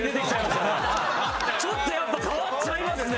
ちょっとやっぱ変わっちゃいますね。